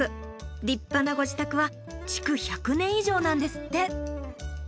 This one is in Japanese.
立派なご自宅は築１００年以上なんですって！